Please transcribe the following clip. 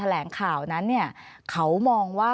อันดับสุดท้ายแก่มือ